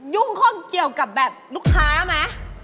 ข้องเกี่ยวกับแบบลูกค้าไหม